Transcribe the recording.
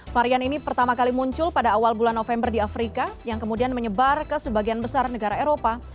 varian ini pertama kali muncul pada awal bulan november di afrika yang kemudian menyebar ke sebagian besar negara eropa